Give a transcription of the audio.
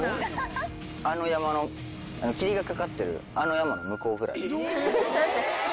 あの山の霧がかかってるあの山の向こうぐらい。